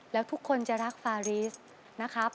แล้วทุกคนจะรักฟารีสนะครับ